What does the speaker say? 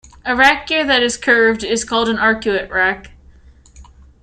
A rack gear that is curved is called an arcuate rack.